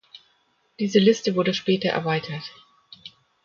Diese Liste wurde später erweitert.